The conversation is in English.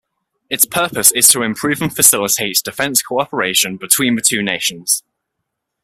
Its purpose is to improve and facilitate defense co-operation between the two nations.